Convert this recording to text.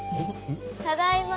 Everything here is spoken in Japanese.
ただいま。